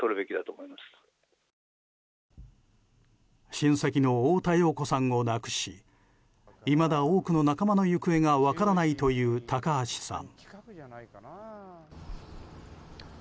親戚の太田洋子さんを亡くしいまだ多くの仲間の行方が分からないという高橋さん。